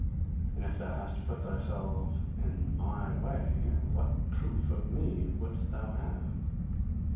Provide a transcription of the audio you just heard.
And if thou hast put thyself in MY way, what proof of me wouldst thou have?